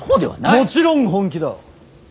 もちろん本気だ。